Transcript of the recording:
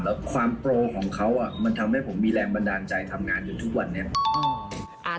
แล้วความโปรของเขามันทำให้ผมมีแรงบันดาลใจทำงานอยู่ทุกวันนี้